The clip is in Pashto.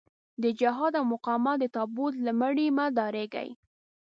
د جهاد او مقاومت د تابوت له مړي مه ډارېږئ.